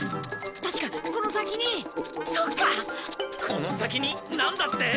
この先になんだって？